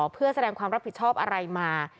เพื่อแสดงความรับผิดชอบอะไรมา